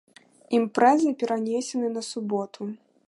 Імпрэза перанесены на суботу!